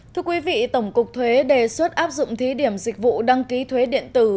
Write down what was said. thưa quý vị tổng cục thuế đề xuất áp dụng thí điểm dịch vụ đăng ký thuế điện tử